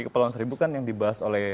kepulauan seribu kan yang dibahas oleh